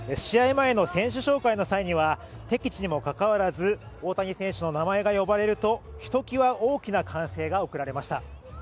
前の選手紹介の際には、敵地にも関わらず、大谷選手の名前が呼ばれると、ひときわ大きな歓声が送られました。